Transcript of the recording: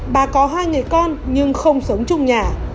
bà có hai người con nhưng không sống chung nhà